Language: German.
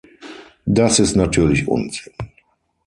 Das ist natürlich Unsinn.